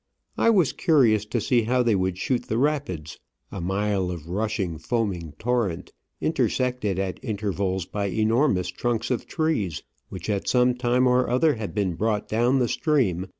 I was curious to see how they would shoot the rapids — a mile of rushing, foaming torrent, intersected at intervals by enormous trunks of trees, which, at some time or other, had been brought down the stream.